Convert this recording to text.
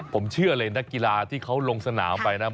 ผมเชื่อเลยนักกีฬาที่เขาลงสนามไปนะ